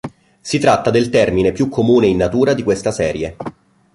Si tratta del termine più comune in natura di questa serie.